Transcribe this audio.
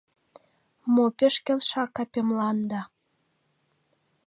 Мо пеш келша капемлан да